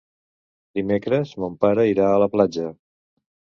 Dimecres mon pare irà a la platja.